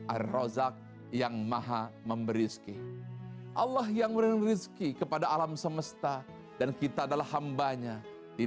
ar rozak yang maha memberizki allah yang berriski kepada alam semesta dan kita adalah hambanya di